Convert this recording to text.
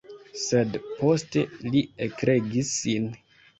Sed poste li ekregis sin.